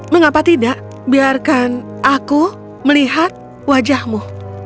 mengapa tidak biarkan aku melihat wajahmu